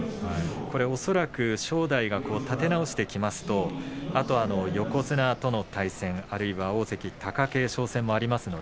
恐らく、正代が立て直してきますとあとは横綱との対戦、あるいは大関貴景勝戦もあります。